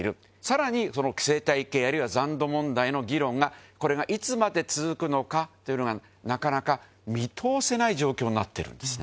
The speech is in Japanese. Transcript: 気蕕その生態系あるいは残土問題の議論が海譴いつまで続くのかというのが覆覆見通せない状況になってるんですね。